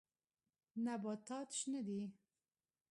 نباتات شنه دي.